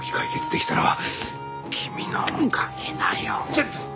ちょっと！